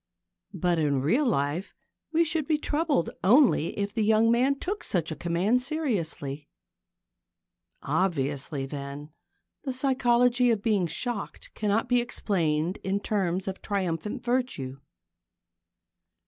But in real life we should be troubled only if the young man took such a command seriously. Obviously, then, the psychology of being shocked cannot be explained in terms of triumphant virtue.